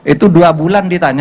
itu dua bulan ditanya